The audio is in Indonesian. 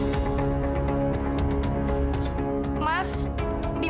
mas tidak mas tidak